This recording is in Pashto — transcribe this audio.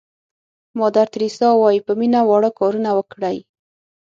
مادر تریسیا وایي په مینه واړه کارونه وکړئ.